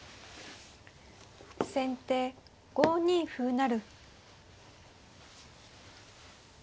先手５二歩成。